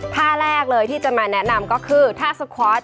ท่าแรกเลยที่จะมาแนะนำก็คือท่าสคอร์ส